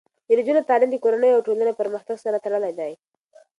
د نجونو تعلیم د کورنیو او ټولنې پرمختګ سره تړلی دی.